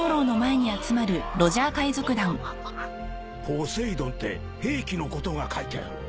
ポセイドンって兵器のことが書いてある